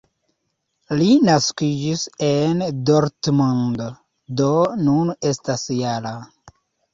Li naskiĝis en Dortmund, do nun estas -jara.